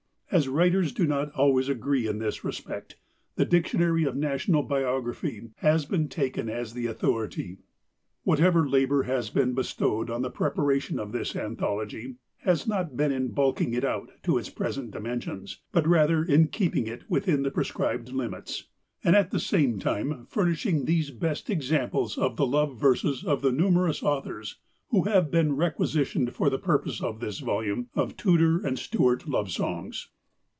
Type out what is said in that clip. As writers do not always agree in this respect, "The Dictionary of National Biography" has been taken as the authority. Whatever labour has been bestowed on the preparation of this anthology has not been in bulking it out to its present dimensions, but rather in keeping it within the prescribed limits; and, at the same time, furnishing these best examples of the love verses of the numerous authors who have been requisitioned for the purpose of this volume of "Tudor and Stuart Love Songs."